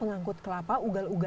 enggak aku udah penggi